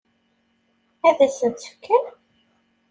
Ad sen-tt-fken?